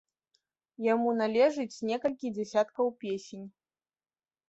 Яму належыць некалькі дзясяткаў песень.